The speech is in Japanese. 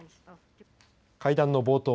会談の冒頭